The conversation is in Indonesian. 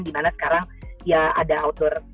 dimana sekarang ya ada outdoor